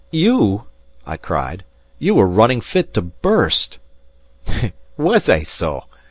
"You!" I cried, "you were running fit to burst." "Was I so?"